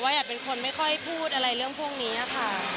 อยากเป็นคนไม่ค่อยพูดอะไรเรื่องพวกนี้ค่ะ